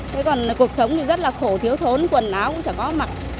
thế còn cuộc sống thì rất là khổ thiếu thốn quần áo cũng chẳng có mặt